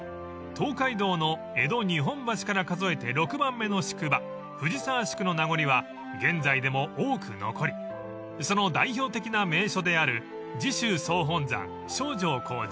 ［東海道の江戸日本橋から数えて６番目の宿場藤沢宿の名残は現在でも多く残りその代表的な名所である］